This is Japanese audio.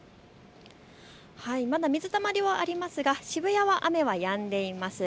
まだ水たまりはありますが渋谷は雨はやんでいます。